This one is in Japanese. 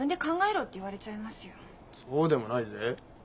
そうでもないぜ。